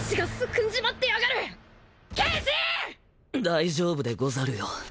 大丈夫でござるよ。